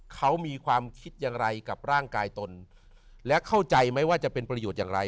เขามีความคิดอย่างไรกับร่างกายตนและเข้าใจไหมว่าจะเป็นประโยชน์อย่างไร